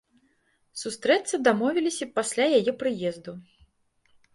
Сустрэцца дамовіліся пасля яе прыезду.